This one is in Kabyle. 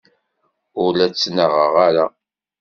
Ur la ttnaɣeɣ ara.